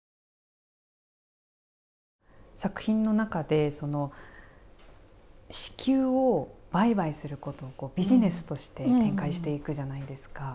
作品の中で、子宮を売買することをビジネスとして展開していくじゃないですか。